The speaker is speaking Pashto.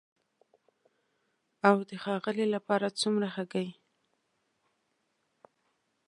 او د ښاغلي لپاره څومره هګۍ؟